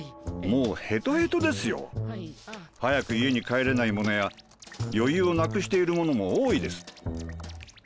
もうヘトヘトですよ。早く家に帰れない者や余裕をなくしている者も多いです。